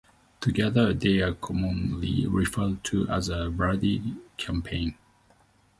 Together, they are commonly referred to as the Brady Campaign.